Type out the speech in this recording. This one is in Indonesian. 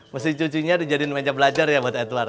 mesin cucunya dijadiin meja belajar ya buat edward